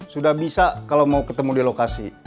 sudah bisa kalau mau ketemu di lokasi